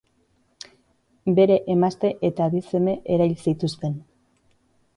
Bere emazte eta bi seme erail zituzten.